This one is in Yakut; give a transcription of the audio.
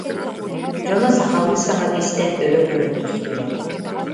Дьоно сахалыы саҥаны истэн өрө көрө түстүлэр